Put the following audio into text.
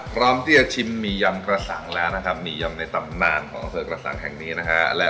พร้อมที่จะชิมมียำกระสังแล้วในทำดาลของอำเภอกรสังแห่งนี้นะคะ